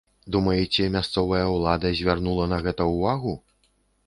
Думаеце, мясцовая ўлада звярнула на гэта ўвагу?